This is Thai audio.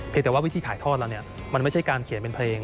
เพราะว่าวิธีถ่ายทอดแล้วมันไม่ใช่การเขียนเป็นเพลง